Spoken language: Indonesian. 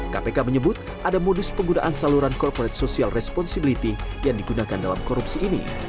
kpk menyebut ada modus penggunaan saluran corporate social responsibility yang digunakan dalam korupsi ini